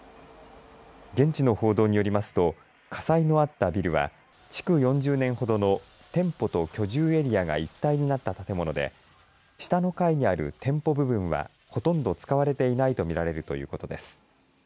現地の報道によりますと火災のあったビルは築４０年ほどの店舗と居住エリアが一体になった建物で下の階にある店舗部分はほとんど使われていないとみられるということです。